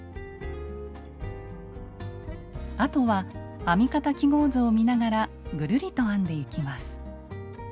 あとは編み方記号図を見ながらぐるりと編んでいきます。